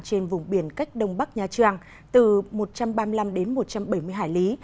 trên vùng biển cách đông bắc nha trang từ một trăm ba mươi năm đến một trăm bảy mươi hải lý